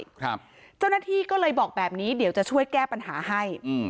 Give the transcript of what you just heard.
เจ้าหน้าที่ก็เลยบอกแบบนี้เดี๋ยวจะช่วยแก้ปัญหาให้อืม